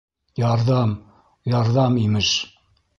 - Ярҙам, ярҙам, имеш...